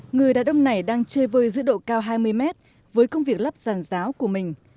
người đàn ông này đang chơi vơi giữ độ cao hai mươi mét với công việc lắp ràn giáo của mình